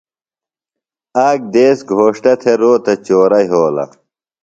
آک دیس گھوݜٹہ تھےۡ روتہ چورہ یھولہ۔